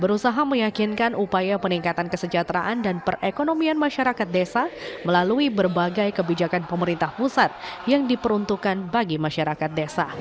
berusaha meyakinkan upaya peningkatan kesejahteraan dan perekonomian masyarakat desa melalui berbagai kebijakan pemerintah pusat yang diperuntukkan bagi masyarakat desa